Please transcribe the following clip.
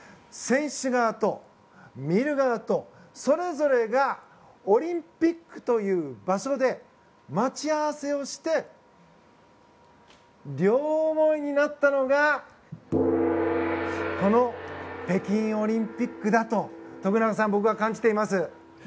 選手側と見る側と、それぞれがオリンピックという場所で待ち合わせをして両思いになったのがこの北京オリンピックだと徳永さん、僕は感じています。